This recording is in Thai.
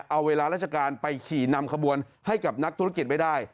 เอาเวลาราชการไปขี่นำขบวนให้กับนักธุรกิจไม่ได้